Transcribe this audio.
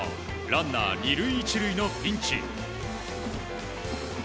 ランナー２塁１塁のピンチ。